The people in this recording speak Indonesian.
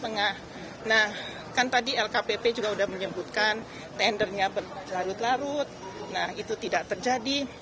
nah kan tadi lkpp juga sudah menyebutkan tendernya berlarut larut nah itu tidak terjadi